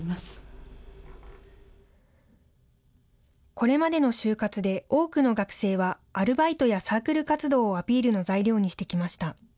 これまでの就活で、多くの学生は、アルバイトやサークル活動をアピールの材料にしてきました。